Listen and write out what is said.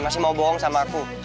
masih mau bohong sama aku